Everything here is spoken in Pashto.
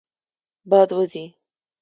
باد وزي.